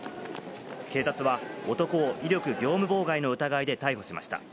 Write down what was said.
警察は男を威力業務妨害の疑いで逮捕しました。